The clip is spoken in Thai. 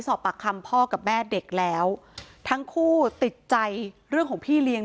สอบปากคำพ่อกับแม่เด็กแล้วทั้งคู่ติดใจเรื่องของพี่เลี้ยง